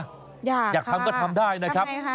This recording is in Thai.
อยากค่ะอยากทำก็ทำได้นะครับ